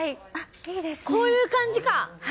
こういう感じか。